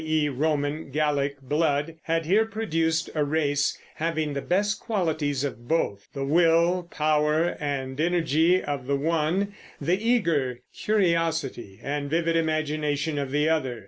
e. Roman Gallic) blood had here produced a race having the best qualities of both, the will power and energy of the one, the eager curiosity and vivid imagination of the other.